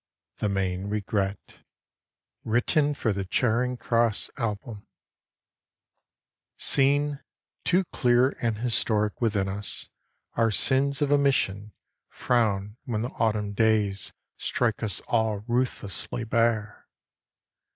THE MAIN REGRET WRITTEN FOR THE CHARING CROSS ALBUM I SEEN, too clear and historic within us, our sins of omission Frown when the Autumn days strike us all ruthlessly bare.